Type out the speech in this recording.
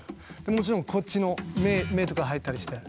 もちろんこっちの目とか入ったりして。